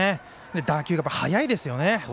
打球が速いですね。